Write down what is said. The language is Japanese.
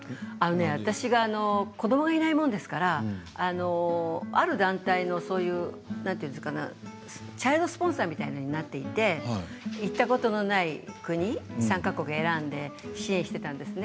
私が子どもがいないものですからある団体のチャイルドスポンサーみたいなものになっていて行ったことのない国、参加国を選んで支援していたんですね。